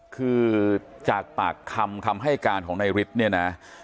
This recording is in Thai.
คือจากปากคำคำให้การของนายฤทธิ์เนี่ยนะ